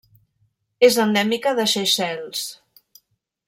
És endèmica de Seychelles.